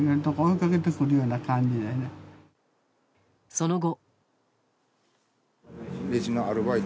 その後。